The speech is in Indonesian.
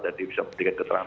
dan dia bisa mendekat keterangan